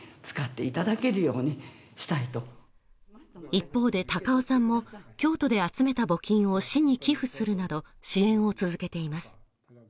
一方で、高尾さんも京都で集めた募金を市に寄付するなど支援を続けています。